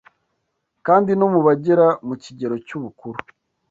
kandi no mu bagera mu kigero cy’ubukuru